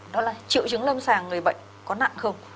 đó là triệu chứng lâm sàng người bệnh có nặng không